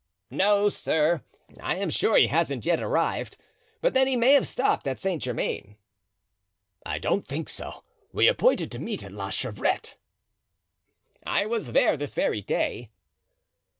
"No, sir; I am sure he hasn't yet arrived. But then he may have stopped at Saint Germain." "I don't think so; we appointed to meet at La Chevrette." "I was there this very day."